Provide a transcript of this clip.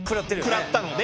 食らったので。